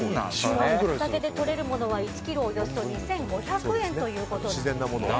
畑でとれるものは１ｋｇおよそ２５００円ということなんですね。